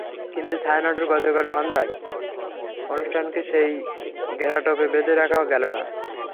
কিন্তু ছায়ানটের গতকাল সন্ধ্যার অনুষ্ঠানকে সেই ঘেরাটোপে বেঁধে রাখা গেল না।